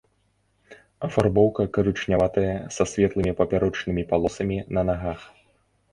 Афарбоўка карычняватая са светлымі папярочнымі палосамі на нагах.